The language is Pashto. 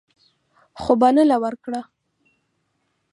خو بلنه ورکړه.